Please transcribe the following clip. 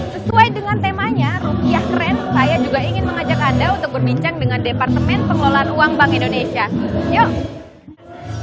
sesuai dengan temanya rupiah keren saya juga ingin mengajak anda untuk berbincang dengan departemen pengelolaan uang bank indonesia yuk